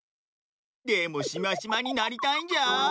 でもしましまになりたいんじゃー。